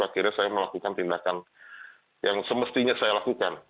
akhirnya saya melakukan tindakan yang semestinya saya lakukan